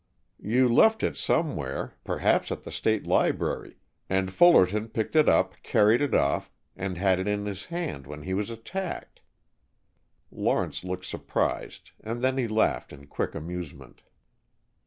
"You left it somewhere, perhaps at the state library and Fullerton picked it up, carried it off, and had it in his hand when he was attacked." Lawrence looked surprised and then he laughed in quick amusement.